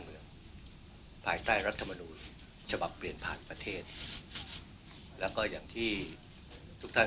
เมืองภายใต้รัฐมนูลฉบับเปลี่ยนผ่านประเทศแล้วก็อย่างที่ทุกท่าน